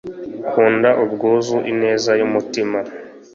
kunda ubwuzu ineza yumutima,